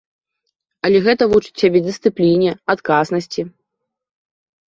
Але гэта вучыць цябе дысцыпліне, адказнасці.